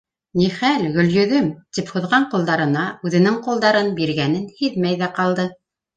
— Ни хәл, Гөлйөҙөм, — тип һуҙған ҡулдарына үҙенең ҡулдарын биргәнен һиҙмәй ҙә ҡалды.